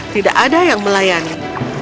tidak ada yang melayani